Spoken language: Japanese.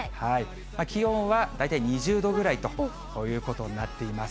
気温は大体２０度ぐらいということになっています。